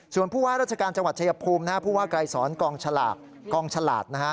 ส่วนพวกราศการจังหวัดชยภูมิพวกกรายสอนกองฉลาด